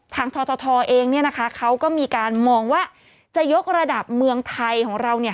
ทางททเองเนี่ยนะคะเขาก็มีการมองว่าจะยกระดับเมืองไทยของเราเนี่ย